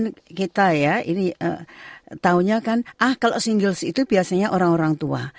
kalau dulu kan kita ya ini tahunya kan ah kalau singles itu biasanya orang orang tua